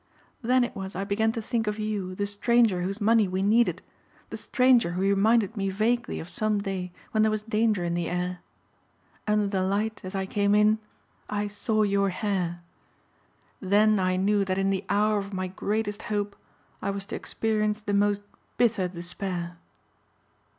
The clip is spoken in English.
Then it was I began to think of you, the stranger whose money we needed, the stranger who reminded me vaguely of some day when there was danger in the air. Under the light as I came in I saw your hair. Then I knew that in the hour of my greatest hope I was to experience the most bitter despair."